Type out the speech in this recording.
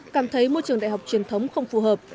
cảm thấy môi trường đại học truyền thống không phù hợp